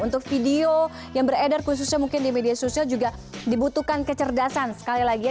untuk video yang beredar khususnya mungkin di media sosial juga dibutuhkan kecerdasan sekali lagi ya